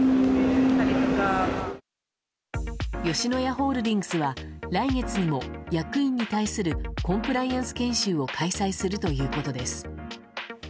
吉野家ホールディングスは来月にも役員に対するコンプライアンス研修を開催するということです。